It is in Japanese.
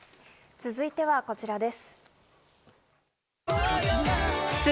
続いてはこちらです。